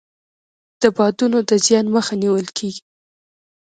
د بادونو د زیان مخه نیول کیږي.